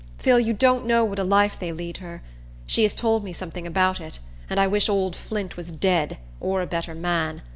Phil, you don't know what a life they lead her. She has told me something about it, and I wish old Flint was dead, or a better man.